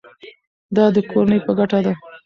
دا د کورنۍ په ګټه ده.